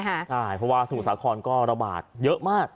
ใช่เพราะว่าสมุทรสาครก็ระบาดเยอะมาก